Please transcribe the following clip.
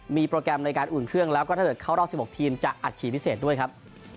มีโปรแกรมในการอุ่นเครื่องแล้วก็ถ้าเกิดเข้ารอบ๑๖ทีมจะอัดฉีดพิเศษด้วยครับ